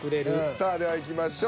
さあではいきましょう。